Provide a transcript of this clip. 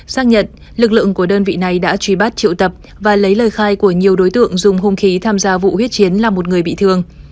xác nhận lực lượng của đơn vị này đã truy bắt triệu tập và lấy lời khai của nhiều đối tượng dùng hung khí tham gia vụ huyết chiến làm một người bị thương